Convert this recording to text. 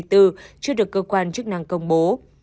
trước được cơ quan chức năng công bố